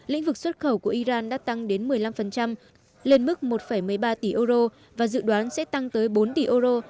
lĩnh vực xuất khẩu của iran đã tăng đến một mươi năm lên mức một một mươi ba tỷ euro